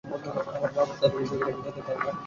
আমার বাবা তাদের কাছে ভিক্ষা চায়, তাই আমাকে তখন ছেড়ে দেয়।